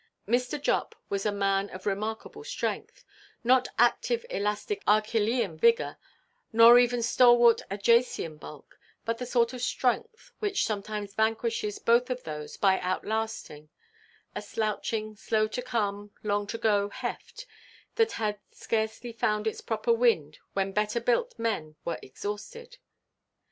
Mr. Jupp was a man of remarkable strength,—not active elastic Achillean vigour, nor even stalwart Ajacian bulk, but the sort of strength which sometimes vanquishes both of those, by outlasting,—a slouching, slow–to–come, long–to–go heft, that had scarcely found its proper wind when better–built men were exhausted.